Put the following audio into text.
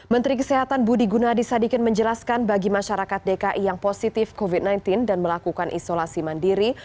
menteri kesehatan budi gunadisadikin menjelaskan bagi masyarakat dki yang positif covid sembilan belas dan melakukan isolasi mandiri